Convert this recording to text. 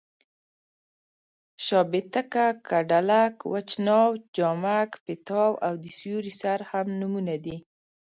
شابېتکه، کډلک، وچ ناو، جامک پېتاو او د سیوري سر هم نومونه دي.